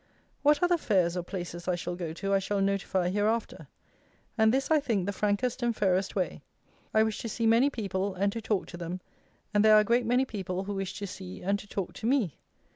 What other fairs or places I shall go to I shall notify hereafter. And this I think the frankest and fairest way. I wish to see many people, and to talk to them: and there are a great many people who wish to see and to talk to me.